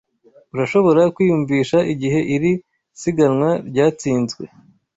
Urashobora kwiyumvisha igihe iri siganwa ryatsinzwe